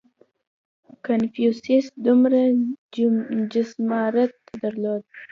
• کنفوسیوس دومره جسارت درلود.